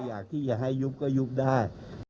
อยากที่จะให้ยุบก็ยุบได้